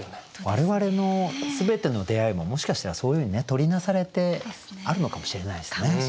我々の全ての出会いももしかしたらそういうふうに取りなされてあるのかもしれないですね。